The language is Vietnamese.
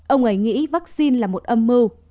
ông ấy nghĩ vaccine là một âm mưu